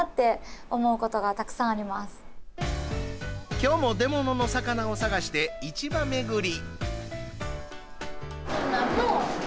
きょうも出物の魚を探して市場巡り。